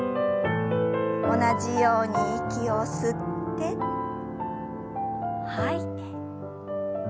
同じように息を吸って吐いて。